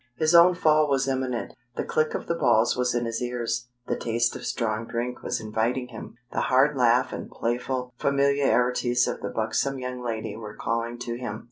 His own fall was imminent. The click of the balls was in his ears, the taste of strong drink was inviting him. The hard laugh and playful familiarities of the buxom young lady were calling to him.